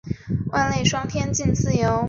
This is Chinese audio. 此列表延伸自欧洲友好城市列表。